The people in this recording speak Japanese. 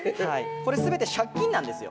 これ全て借金なんですよ。